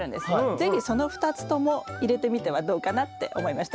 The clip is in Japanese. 是非その２つとも入れてみてはどうかなって思いました。